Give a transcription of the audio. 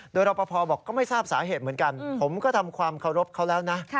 โดยรอปภบอกก็ไม่ทราบสาเหตุเหมือนกันผมก็ทำความเคารพเขาแล้วนะ